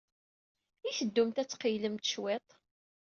I teddumt ad tqeyylemt cwiṭ?